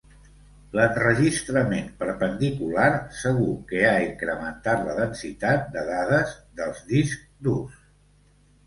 L'enregistrament perpendicular segur que ha incrementat la densitat de dades dels discs durs.